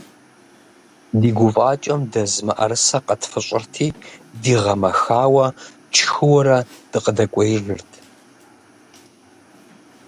Ди гуфӏакӏэм дэз мыӏэрысэ къэтфыщӏырти, дигъэмэхауэ тшхыуэрэ, дыкъыдэкӏуеижырт.